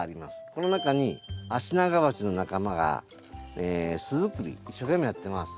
この中にアシナガバチの仲間が巣作り一生懸命やってます。